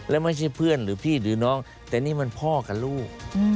แล้วไม่ใช่เพื่อนหรือพี่หรือน้องแต่นี่มันพ่อกับลูก